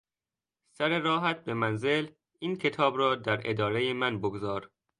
سر راهت به منزل این کتاب را در ادارهی من بگذار.